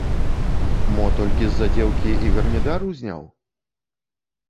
Мо толькі з-за дзеўкі і гармідар узняў?